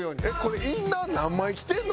インナー何枚着てるの？